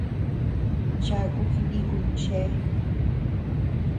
Cháku jinikuy chéa.